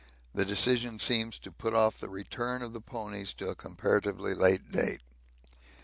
This decision seems to put off the return of the ponies to a comparatively late date.